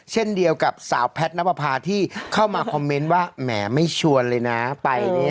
เช่นเดียวกับสาวแพทย์นับประพาที่เข้ามาคอมเมนต์ว่าแหมไม่ชวนเลยนะไปเนี่ย